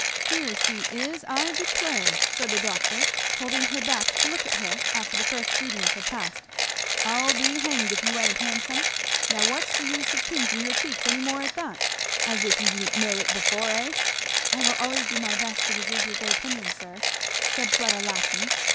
"Here she is! I declare!" said the doctor, holding her back to look at her after the first greetings had passed, "I'll be hanged if you ain't handsome! Now what's the use of pinking your cheeks any more at that, as if you didn't know it before? eh?" "I will always do my best to deserve your good opinion, sir," said Fleda laughing.